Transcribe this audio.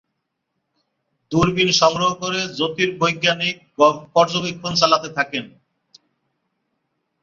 দূরবীন সংগ্রহ করে জ্যোতির্বৈজ্ঞানিক পর্যবেক্ষণ চালাতে থাকেন।